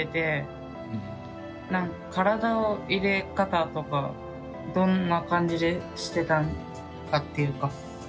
体の入れ方とかどんな感じでしてたのかっていうか。